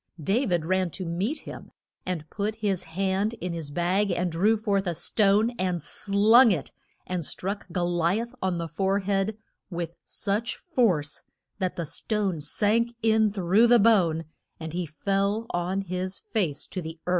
Da vid ran to meet him, and put his hand in his bag and drew forth a stone, and slung it, and struck Go li ath on the fore head with such force that the stone sank in through the bone and he fell on his face to the earth.